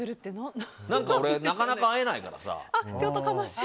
なかなか会えないからさ。